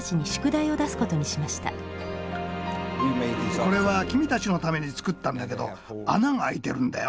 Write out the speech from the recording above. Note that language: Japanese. これは君たちのために作ったんだけど穴があいてるんだよ。